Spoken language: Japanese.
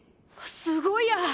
すごいや！